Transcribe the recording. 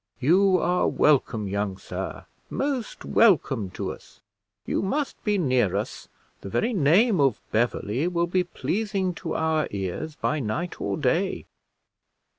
You are welcome, young sir most welcome to us; you must be near us; the very name of Beverley will be pleasing to our ears by night or day."